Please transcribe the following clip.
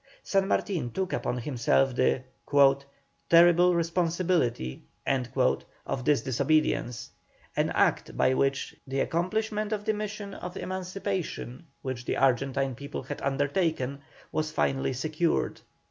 San Martin took upon himself the "terrible responsibility" of this disobedience, an act by which the accomplishment of the mission of emancipation which the Argentine people had undertaken was finally secured.